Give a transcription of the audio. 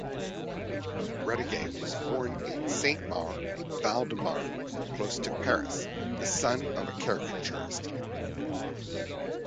Radiguet was born in Saint-Maur, Val-de-Marne, close to Paris, the son of a caricaturist.